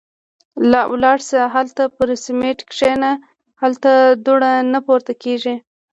– لاړه شه. هالته پر سمڼت کېنه. هلته دوړه نه پورته کېږي.